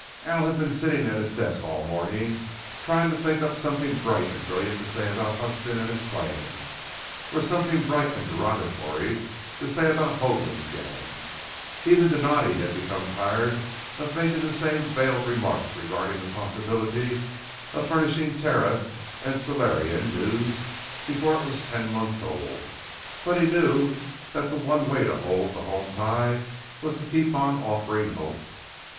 Al had been sitting at his desk all morning trying to think up something bright and brilliant to say about Huston and his plans, or something bright and derogatory to say about Hoagland's gang. Even Donatti had become tired of making the same veiled remarks regarding the possibility of furnishing Terran and Solarian news before it was ten months old, but he knew that the one way to hold the home tie was to keep on offering hope.